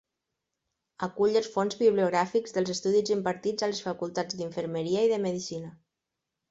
Acull els fons bibliogràfics dels estudis impartits a les Facultats d’Infermeria i de Medicina.